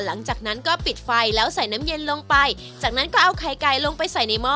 หลังจากนั้นก็ปิดไฟแล้วใส่น้ำเย็นลงไปจากนั้นก็เอาไข่ไก่ลงไปใส่ในหม้อ